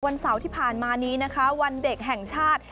เสาร์ที่ผ่านมานี้นะคะวันเด็กแห่งชาติ